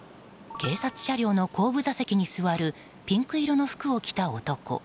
警察車両の後部座席に座るピンク色の服を着た男。